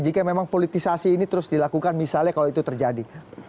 jika memang politisasi ini terus dilakukan misalnya kalau itu terjadi